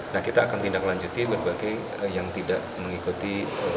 nah kita akan tindak lanjuti berbagai yang tidak mengikuti